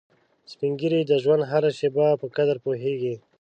سپین ږیری د ژوند هره شېبه په قدر پوهیږي